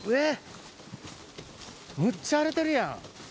むっちゃ荒れてるやん。